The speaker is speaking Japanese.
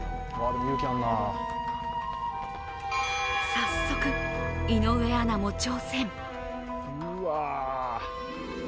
早速、井上アナも挑戦。